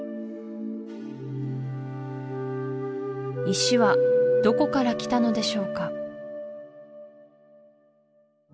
石はどこから来たのでしょうか